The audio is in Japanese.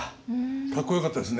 かっこよかったですね。